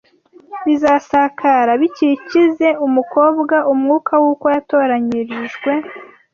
bizasakara bikikize umukobwa umwuka w’uko yatoranyirijwe